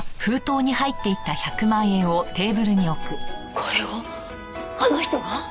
これをあの人が！？